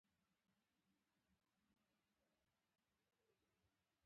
میراث څخه ګټه واخلي.